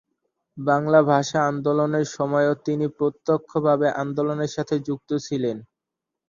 বাংলা ভাষা আন্দোলনের সময়ও তিনি প্রত্যক্ষভাবে আন্দোলনের সাথে যুক্ত ছিলেন।